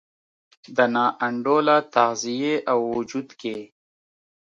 د نا انډوله تغذیې او وجود کې